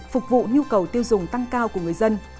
phục vụ nhu cầu tiêu dùng tăng cao của người dân